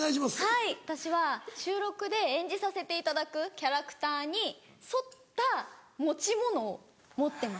はい私は収録で演じさせていただくキャラクターに沿った持ち物を持ってます。